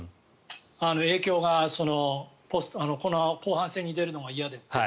影響が、この後半戦に出るのが嫌でと。